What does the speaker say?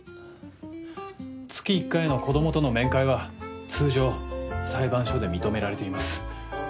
月１回の子どもとの面会は通常裁判所で認められています。